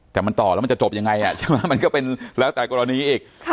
แต่มันต่อแล้วมันจะจบยังไงใช่ไหมมันก็เป็นแล้วแต่กรณีอีก